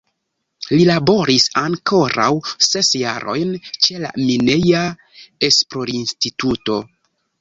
Li laboris ankoraŭ ses jarojn ĉe la Mineja Esplorinstituto.